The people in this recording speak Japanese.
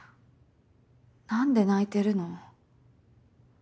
何で泣いてるの？